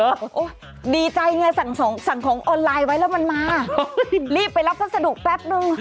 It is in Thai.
โอ้โหดีใจไงสั่งสั่งของออนไลน์ไว้แล้วมันมารีบไปรับพัสดุแป๊บนึง